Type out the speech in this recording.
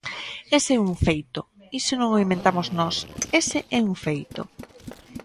Ese é un feito, iso non o inventamos nós, ese é un feito.